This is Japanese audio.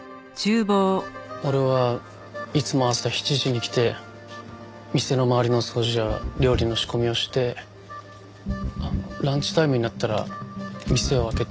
俺はいつも朝７時に来て店の周りの掃除や料理の仕込みをしてランチタイムになったら店を開けて。